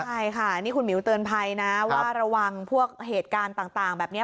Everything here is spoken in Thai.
ใช่ค่ะนี่คุณหมิวเตือนภัยนะว่าระวังพวกเหตุการณ์ต่างแบบนี้